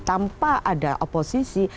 tanpa ada oposisi